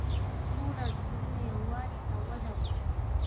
سوله د زړونو یووالی ته وده ورکوي.